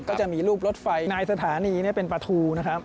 ก็จะมีรูปรถไฟนายสถานีเป็นปลาทูนะครับ